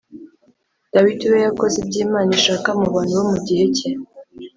Dawidi we yakoze ibyo Imana ishaka mu bantu bo mu gihe cye